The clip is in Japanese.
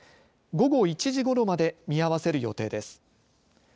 午後１時ごろまで見合わせる予定です。